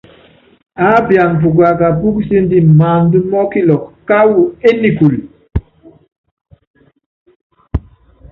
Aápiana pukaka púkuséndi maánda mɔkilɔkɔ káwú énikúlu.